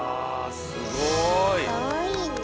すごいね。